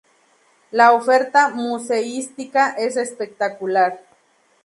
La oferta museística es espectacular.